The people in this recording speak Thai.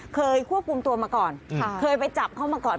เคยควบคุมตัวมาก่อนเคยไปจับเขามาก่อน